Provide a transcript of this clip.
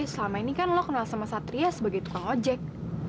selama ini kan lo kenal sama satria sebagai tukang ojek